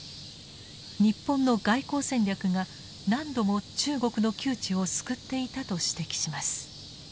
日本の外交戦略が何度も中国の窮地を救っていたと指摘します。